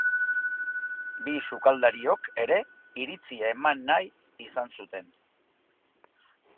Bi sukaldariok ere iritzia eman nahi izan zuten.